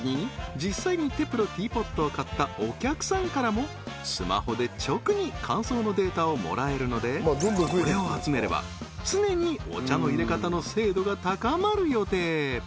実際にｔｅｐｌｏティーポットを買ったお客さんからもスマホで直に感想のデータをもらえるのでこれを集めれば常にお茶の淹れ方の精度が高まる予定